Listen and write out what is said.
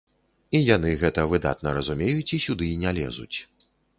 І яны гэта выдатна разумеюць і сюды не лезуць.